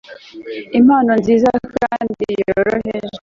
Impumuro nziza kandi yoroheje